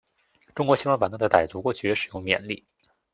中国西双版纳的傣族过去也使用缅历。